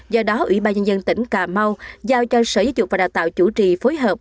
do đó ủy ban nhân dân tỉnh cà mau giao cho sở dục và đào tạo chủ trì phối hợp